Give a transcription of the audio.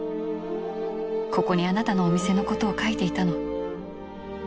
ここにあなたのお店のことを書いていたの。